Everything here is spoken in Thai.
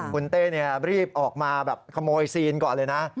คุณเต้รีบออกมาแบบขโมยซีนก่อนเลยนะ